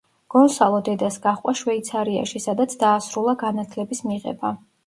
გონსალო დედას გაჰყვა შვეიცარიაში, სადაც დაასრულა განათლების მიღება.